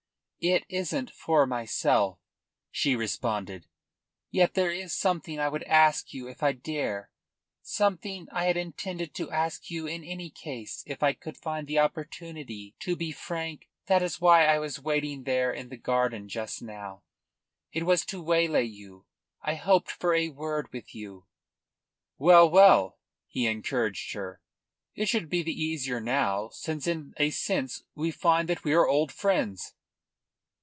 "It isn't for myself," she responded. "Yet there is something I would ask you if I dare something I had intended to ask you in any case if I could find the opportunity. To be frank, that is why I was waiting there in the garden just now. It was to waylay you. I hoped for a word with you." "Well, well," he encouraged her. "It should be the easier now, since in a sense we find that we are old friends."